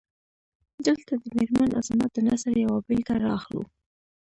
دلته د میرمن عظمت د نثر یوه بیلګه را اخلو.